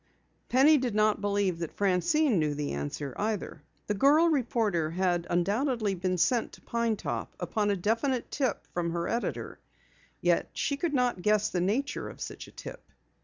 Penny did not believe that Francine knew the answer either. The girl reporter undoubtedly had been sent to Pine Top upon a definite tip from her editor, yet she could not guess the nature of such a tip.